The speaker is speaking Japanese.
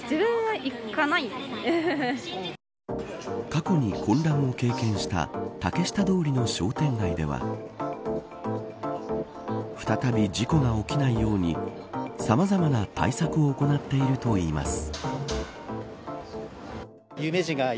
過去に混乱を経験した竹下通りの商店街では再び事故が起きないようにさまざまな対策を行っているといいます。